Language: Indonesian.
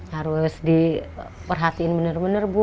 harus diperhatiin bener bener bu